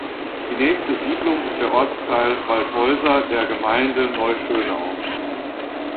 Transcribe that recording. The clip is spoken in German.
Die nächste Siedlung ist der Ortsteil Waldhäuser der Gemeinde Neuschönau.